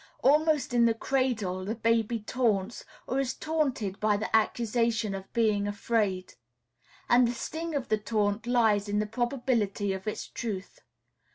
Almost in the cradle the baby taunts or is taunted by the accusation of being "afraid." And the sting of the taunt lies in the probability of its truth.